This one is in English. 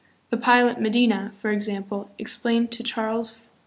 The pilot, Medina, for example, explained to Charles V.